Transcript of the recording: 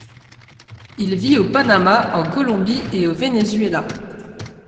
Il vit au Panama, en Colombie et au Venezuela.